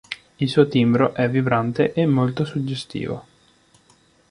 Il suo timbro è vibrante e molto suggestivo.